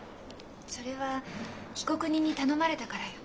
それは被告人に頼まれたからよ。